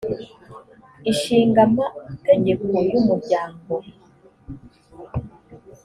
ishinga amategeko y umuryango